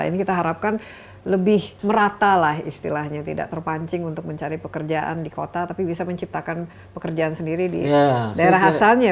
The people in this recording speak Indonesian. ini kita harapkan lebih merata lah istilahnya tidak terpancing untuk mencari pekerjaan di kota tapi bisa menciptakan pekerjaan sendiri di daerah asalnya